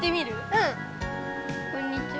うん！こんにちは。